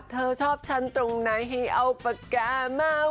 เธอชอบฉันตรงไหนให้เอาปากกามา